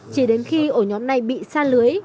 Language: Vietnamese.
chỉ đến khi ổ nhóm này bị sa lưới